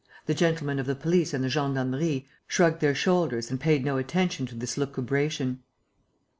The "gentlemen of the police and the gendarmerie" shrugged their shoulders and paid no attention to this lucubration.